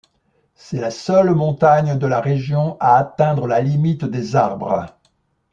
C'est la seule montagne de la région à atteindre la limite des arbres.